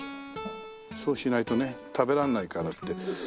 そうしないとね食べらんないからって。